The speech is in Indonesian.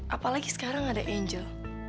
apalagi sekarang ada angel